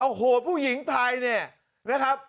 โอ้โหผู้หญิงไทยเนี่ยนะครับ